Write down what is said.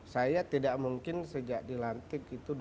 saya tidak mungkin sejak dilantik itu dua ribu